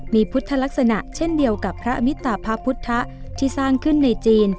มีพุทธลักษณะเช่นเดียวกับพระมิตาพระพุทธที่สร้างขึ้นในจีน